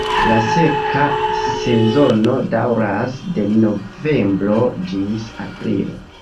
La seka sezono daŭras de novembro ĝis aprilo.